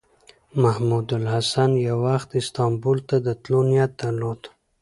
محمود الحسن یو وخت استانبول ته د تللو نیت درلود.